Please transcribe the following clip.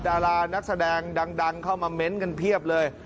ดารานักแสดงดังเข้ามาเม้นต์กันเพียบเลย